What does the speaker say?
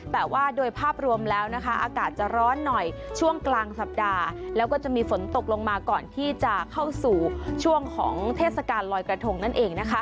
แต่ว่าโดยภาพรวมแล้วนะคะอากาศจะร้อนหน่อยช่วงกลางสัปดาห์แล้วก็จะมีฝนตกลงมาก่อนที่จะเข้าสู่ช่วงของเทศกาลลอยกระทงนั่นเองนะคะ